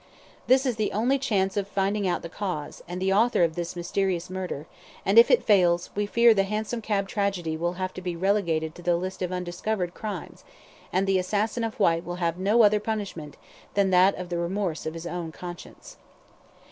This is the only chance of finding out the cause, and the author of this mysterious murder; and if it fails, we fear the hansom cab tragedy will have to be relegated to the list of undiscovered crimes, and the assassin of Whyte will have no other punishment than that of the remorse of his own conscience."